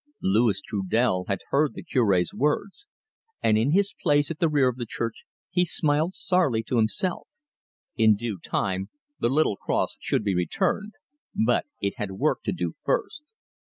Louis Trudel had heard the Cure's words, and in his place at the rear of the church he smiled sourly to himself. In due time the little cross should be returned, but it had work to do first.